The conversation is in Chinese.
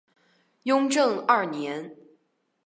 雍正二年。